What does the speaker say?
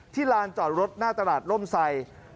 ลานจอดรถหน้าตลาดร่มไซ